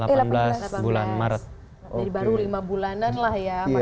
jadi baru lima bulanan lah ya mereka menikah